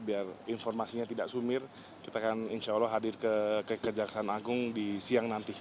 biar informasinya tidak sumir kita akan insya allah hadir ke kejaksaan agung di siang nanti